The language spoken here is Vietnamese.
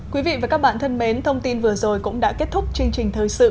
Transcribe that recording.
quý vị và các bạn thân mến thông tin vừa rồi cũng đã kết thúc chương trình thời sự